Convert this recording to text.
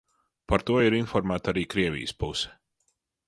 Par to ir informēta arī Krievijas puse.